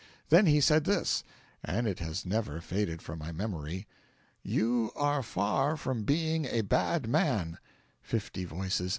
Then he said this and it has never faded from my memory: 'YOU ARE FAR FROM BEING A BAD MAN '" Fifty Voices.